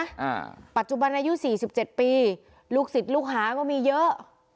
อ่าปัจจุบันอายุสี่สิบเจ็ดปีลูกศิษย์ลูกหาก็มีเยอะ